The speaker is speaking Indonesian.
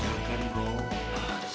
sekarang kan gue harus